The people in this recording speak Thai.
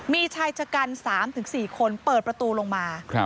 มีชายจักรรมีสามถึงสี่คนเปิดประตูลงมา